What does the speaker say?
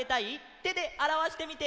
てであらわしてみて！